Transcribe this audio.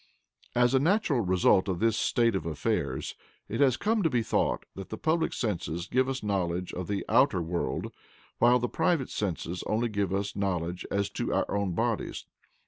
As a natural result of this state of affairs, it has come to be thought that the public senses give us knowledge of the outer world, while the private senses only give us knowledge as to our own bodies.